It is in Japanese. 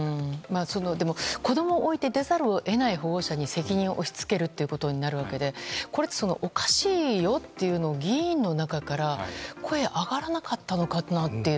でも、子供を置いて出ざるを得ない保護者に責任を押し付けることになるわけでこれって、おかしいよって議員の中から声が上がらなかったのかなっていう。